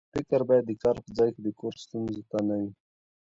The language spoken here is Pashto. فکر باید د کار په ځای کې د کور ستونزو ته نه وي.